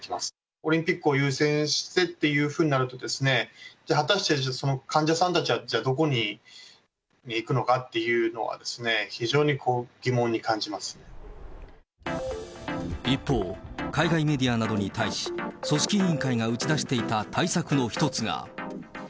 オリンピックを優先してっていうふうになると、じゃあ、果たして、その患者さんたちはどこに行くのかっていうのは非常に疑問に感じ一方、海外メディアなどに対し、組織委員会が打ち出していた対策の一つが。